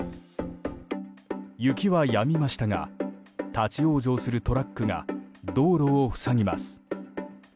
雪はやみましたが立ち往生するトラックが道路を塞ぎます。